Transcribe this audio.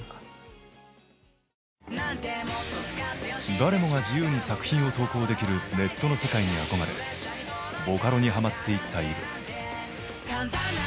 誰もが自由に作品を投稿できるネットの世界に憧れボカロにハマっていったＥｖｅ。